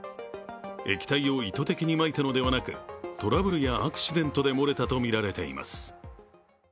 液体を意図的にまいたのではなくトラブルやアクシデントで漏れたとみられています。